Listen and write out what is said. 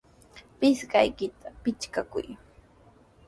Pisqaykita pichakuy.